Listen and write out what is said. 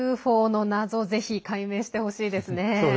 ＵＦＯの謎ぜひ解明してほしいですね。